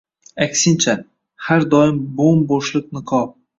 Aksincha, har doim bo’m-bo’shliq niqob.